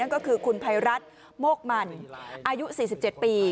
ก็คือคุณภัยรัฐโมกมันอายุ๔๗ปี